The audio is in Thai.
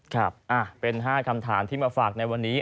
ครับเป็น๕คำถามที่มาฝากในวันนี้